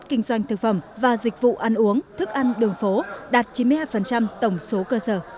kinh doanh thực phẩm và dịch vụ ăn uống thức ăn đường phố đạt chín mươi hai tổng số cơ sở